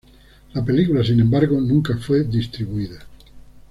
La película, sin embargo, nunca fue distribuida.